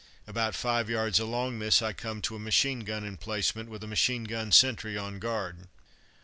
About five yards along this I come to a machine gun emplacement, with a machine gun sentry on guard.